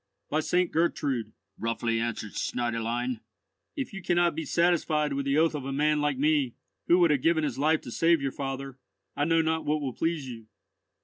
"By St. Gertrude," roughly answered the Schneiderlein, "if you cannot be satisfied with the oath of a man like me, who would have given his life to save your father, I know not what will please you."